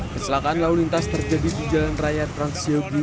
kecelakaan lalu lintas terjadi di jalan raya transyogi